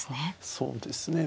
そうですね。